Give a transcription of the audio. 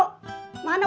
sambil ya bro